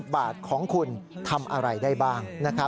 บาทของคุณทำอะไรได้บ้าง